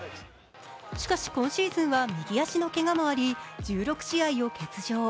しかし、今シーズンは右足のけがもあり、１６試合を欠場。